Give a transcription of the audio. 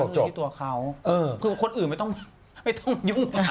จบคือคนอื่นไม่ต้องไม่ต้องยุ่ง